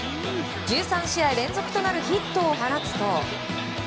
１３試合連続となるヒットを放つと。